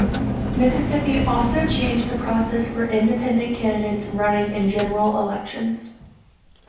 Mississippi also changed the process for independent candidates running in general elections.